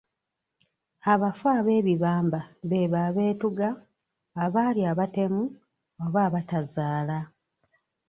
"Abafu ab'ebibamba b'ebo abeetuga, abaali abatemu oba abatazaala."